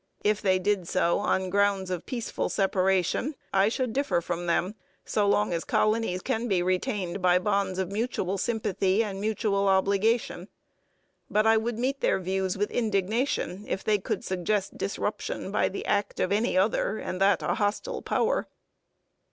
If they did so on grounds of peaceful separation, I should differ from them so long as colonies can be retained by bonds of mutual sympathy and mutual obligation; but I would meet their views with indignation if they could suggest disruption by the act of any other, and that a hostile, Power.